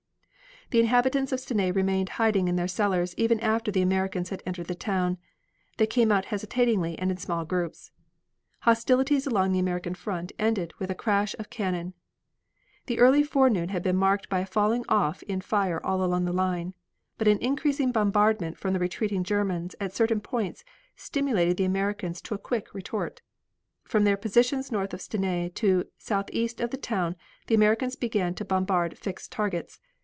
The inhabitants of Stenay remained hiding in their cellars even after the Americans had entered the town. They came out hesitatingly and in small groups. Hostilities along the American front ended with a crash of cannon. The early forenoon had been marked by a falling off in fire all along the line, but an increasing bombardment from the retreating Germans at certain points stimulated the Americans to a quick retort. From their positions north of Stenay to southeast of the town the Americans began to bombard fixed targets.